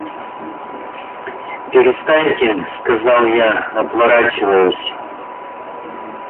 — Перестаньте, — сказал я, отворачиваясь.